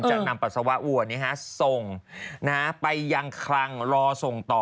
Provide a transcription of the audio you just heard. นำปัสสาวะวัวส่งไปยังคลังรอส่งต่อ